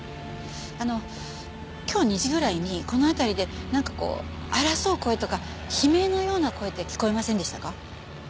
あの今日２時ぐらいにこの辺りでなんかこう争う声とか悲鳴のような声って聞こえませんでしたか？